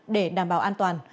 để đảm bảo an toàn